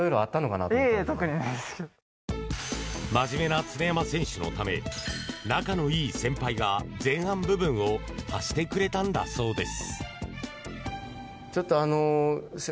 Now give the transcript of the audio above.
真面目な常山選手のため仲のよい先輩が前半部分を足してくれたのだそうです。